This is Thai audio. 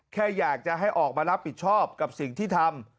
แค่อยากจะให้ออกมารับผิดชอบกับสิ่งที่ทำ